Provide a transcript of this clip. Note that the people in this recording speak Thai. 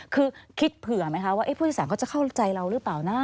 คือคิดเผื่อไหมคะว่าผู้โดยสารเขาจะเข้าใจเราหรือเปล่านะ